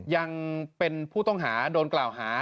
ยังเป็นผู้ต้องหาโดนกล่าวหา